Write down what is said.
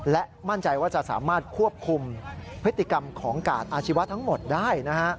และมั่นใจว่าจะสามารถควบคุมพฤติกรรมของกาดอาชีวะทั้งหมดได้